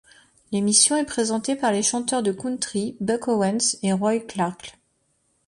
L'émission est présentée par les chanteurs de country Buck Owens et Roy Clark.